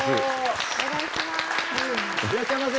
いらっしゃいませ。